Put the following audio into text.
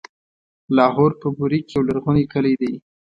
لاهور په بوري کې يو لرغونی کلی دی.